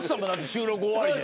収録終わりで。